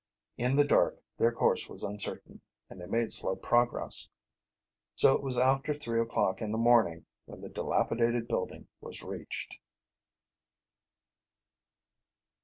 In the dark their course was uncertain, and they made slow progress, so it was after three o'clock in the morning when the dilapidated building was reached.